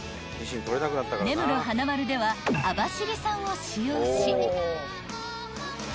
［根室花まるでは網走産を使用し］